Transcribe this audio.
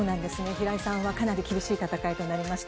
平井さんはかなり厳しい戦いとなりました。